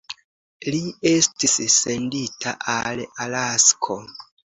Li estis sendita al Alasko.